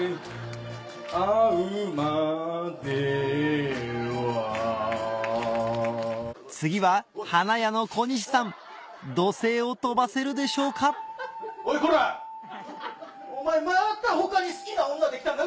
逢うまでは次は花屋の小西さん怒声を飛ばせるでしょうかお前また他に好きな女できたんか？